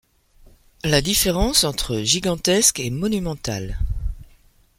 La différence entre gigantesque et monumental ?